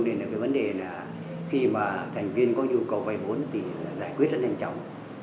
nên là cái vấn đề là khi mà thành viên có nhu cầu vay vốn thì giải quyết rất nhanh chóng